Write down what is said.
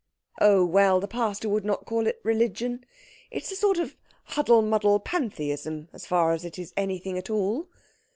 "Oh, well, the pastor would not call it religion. It's a sort of huddle muddle pantheism as far as it is anything at all."